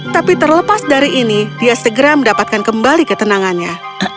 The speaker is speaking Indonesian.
tapi terlepas dari ini dia segera mendapatkan kembali ketenangannya